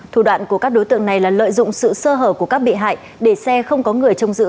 thủ đoạn của các đối tượng này là lợi dụng sự sơ hở của các bị hại để xe không có người trông giữ